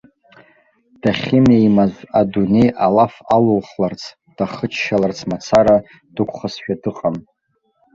Дахьынеимаз, адунеи алаф алылхларц, дахыччаларц мацара дықәхазшәа дыҟан.